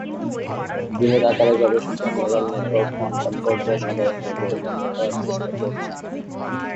বৃহৎ আকারে গবেষকরা নিউরাল নেটওয়ার্ক কোয়ান্টাম পর্যায়ে সাধারণের বোধগম্য করার চেষ্টা করছেন।